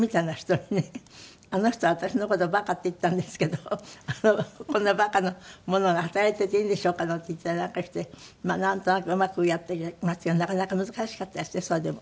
「あの人私の事馬鹿って言ったんですけどこんな馬鹿の者が働いていていいんでしょうか？」なんて言ったりなんかしてなんとなくうまくやっていましたけどなかなか難しかったですねそれでも。